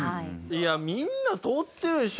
いやみんな通ってるでしょ。